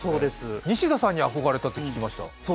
西田さんに憧れたって聞きました。